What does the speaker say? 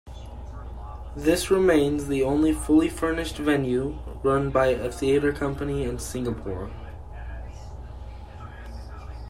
This remains the only fully furnished venue run by a theatre company in Singapore.